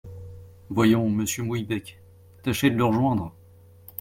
Voyons… monsieur Mouillebec… tâchez de le rejoindre !